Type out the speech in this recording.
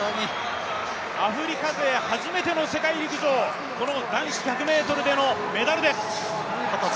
アフリカ勢初めての世界陸上、この男子１００ｍでのメダルです。